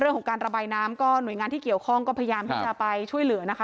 ระบายน้ำก็หน่วยงานที่เกี่ยวข้องก็พยายามที่จะไปช่วยเหลือนะคะ